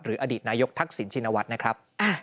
อดีตนายกทักษิณชินวัฒน์นะครับ